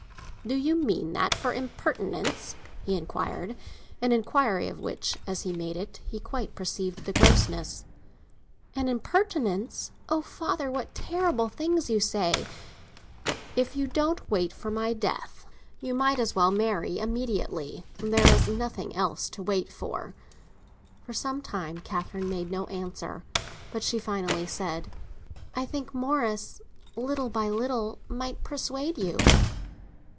"Do you mean that for an impertinence?" he inquired; an inquiry of which, as he made it, he quite perceived the grossness. "An impertinence? Oh, father, what terrible things you say!" "If you don't wait for my death, you might as well marry immediately; there is nothing else to wait for." For some time Catherine made no answer; but finally she said: "I think Morris—little by little—might persuade you."